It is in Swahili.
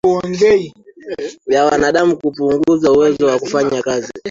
ya wanadamu kupunguza uwezo wa kufanya kazi